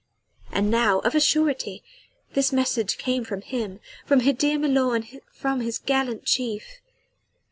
And now, of a surety, this message came from him: from her dear milor and from his gallant chief.